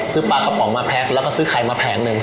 ปลากระป๋องมาแพ็คแล้วก็ซื้อไข่มาแผงหนึ่ง